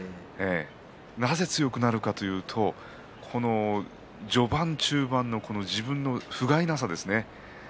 なぜ強くなるかというと序盤、中盤の自分のふがいなさですね。